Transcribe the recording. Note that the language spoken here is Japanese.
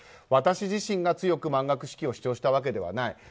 私自身が強く満額支給を主張したわけではない。